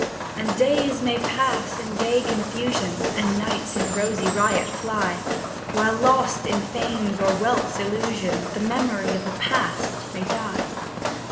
And days may pass in gay confusion, And nights in rosy riot fly, While, lost in Fame's or Wealth's illusion, The memory of the Past may die.